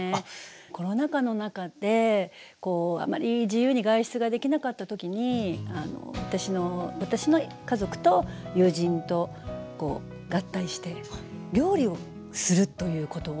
コロナ禍の中であまり自由に外出ができなかった時に私の家族と友人と合体して料理をするということをやりました